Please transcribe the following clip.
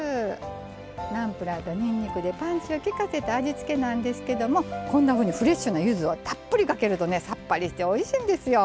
ナムプラーとにんにくでパンチをきかせた味付けなんですけどもこんなふうにフレッシュなゆずをたっぷりかけるとねさっぱりしておいしいんですよ。